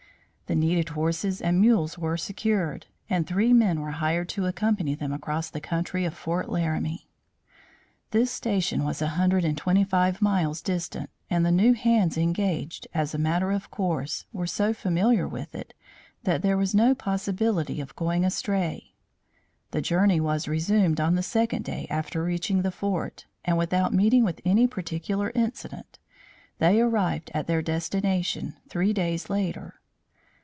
The needed horses and mules were secured, and three men were hired to accompany them across the country to Fort Laramie. This station was a hundred and twenty five miles distant, and the new hands engaged, as a matter of course, were so familiar with it, that there was no possibility of going astray. The journey was resumed on the second day after reaching the fort, and without meeting with any particular incident they arrived at their destination, three days later.